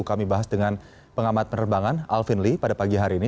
kami bahas dengan pengamat penerbangan alvin lee pada pagi hari ini